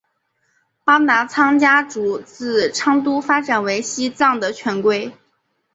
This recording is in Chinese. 邦达仓家族自昌都发展为西藏的权贵。